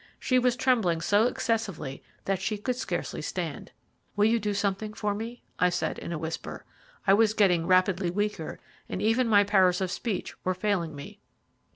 She was trembling so excessively that she could scarcely stand. "Will you do something for me?" I said, in a whisper. I was getting rapidly weaker, and even my powers of speech were failing me.